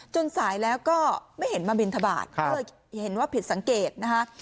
สายแล้วก็ไม่เห็นมาบินทบาทก็เลยเห็นว่าผิดสังเกตนะคะ